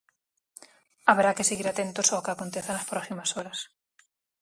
Haberá que seguir atentos ao que aconteza nas próximas horas.